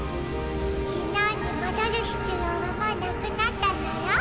きのうにもどる必要はもうなくなったのよ。